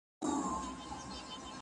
حکومت د ترانسپورت سيسټم پراخوي.